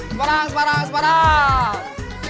semarang semarang semarang